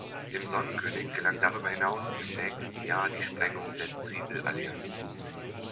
Dem Sonnenkönig gelang darüber hinaus im nächsten Jahr die Sprengung der Tripelallianz.